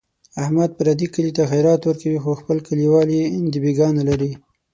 احمد پردي کلي ته خیرات ورکوي، خو خپل کلیوال یې دبیګاه نه لري.